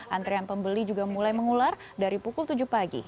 antrean pembeli juga mulai mengular dari pukul tujuh pagi